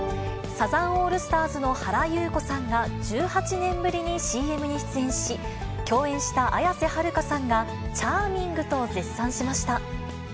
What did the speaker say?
サザンオールスターズの原由子さんが、１８年ぶりにＣＭに出演し、共演した綾瀬はるかさんが、チャーミングと絶賛しました。